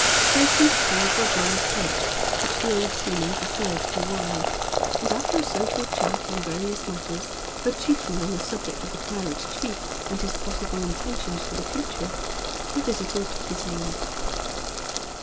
Percy called for a bowl of punch, which the old seaman preferred to wine, and after a social chat on various matters, but chiefly on the subject of the pirate chief, and his possible intentions for the future, the visitor took his leave.